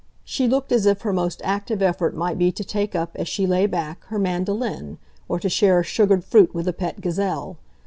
She looked as if her most active effort might be to take up, as she lay back, her mandolin, or to share a sugared fruit with a pet gazelle.